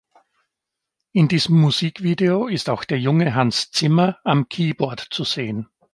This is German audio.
In diesem Musikvideo ist auch der junge Hans Zimmer am Keyboard zu sehen.